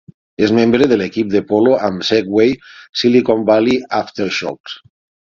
És membre de l'equip de polo amb segway "Silicon Valley Aftershocks".